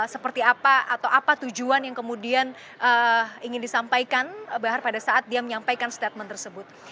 seperti apa atau apa tujuan yang kemudian ingin disampaikan bahar pada saat dia menyampaikan statement tersebut